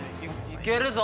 いけるぞ！